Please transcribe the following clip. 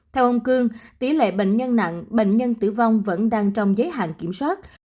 theo ông cương tỷ lệ bệnh nhân nặng bệnh nhân tử vong vẫn đang trong giới hạn kiểm soát